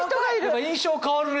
印象変わるね。